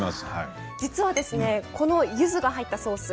実はこのゆずが入ったソース